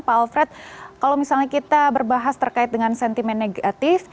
pak alfred kalau misalnya kita berbahas terkait dengan sentimen negatif